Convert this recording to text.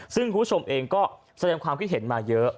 ซึ่งคุณผู้ชมเองก็แสดงความคิดเห็นมาเยอะ